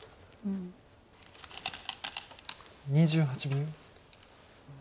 ２８秒。